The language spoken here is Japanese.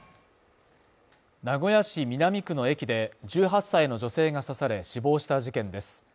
名古屋市南区の駅で、１８歳の女性が刺され死亡した事件です。